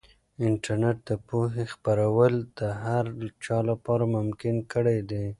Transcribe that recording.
انټرنیټ د پوهې خپرول د هر چا لپاره ممکن کړي دي.